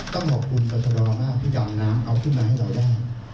ต้องขอบคุณบอสรมากที่ดำน้ำเอาขึ้นมาให้เราได้